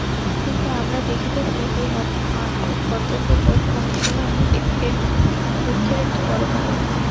কিন্তু আমরা দেখিতেছি, এই অদ্ভুত কর্তব্যবোধ অনেক সময় আমাদিগকে দুঃখের একটি বড় কারণ।